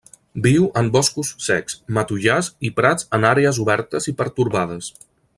Viu en boscos secs, matollars i prats en àrees obertes i pertorbades.